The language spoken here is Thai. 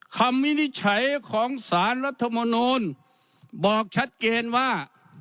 วินิจฉัยของสารรัฐมนูลบอกชัดเจนว่า